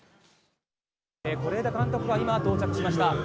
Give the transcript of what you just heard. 是枝監督が今、到着しました。